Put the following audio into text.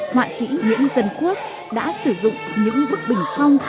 họa sĩ nguyễn dân quốc đã sử dụng những bức bình phong